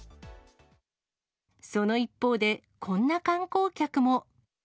その一方で、こんな観光客も。